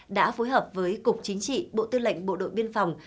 đã phối hợp với cục chính trị bộ tư lệnh bộ đội biên phòng